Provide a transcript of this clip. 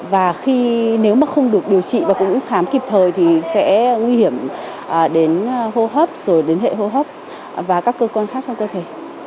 và khi nếu mà không được điều trị và cũng khám kịp thời thì sẽ nguy hiểm đến hô hấp rồi đến hệ hô hấp và các cơ quan khác sau cơ thể